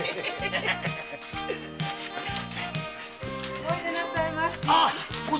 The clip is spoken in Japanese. おいでなさいまし。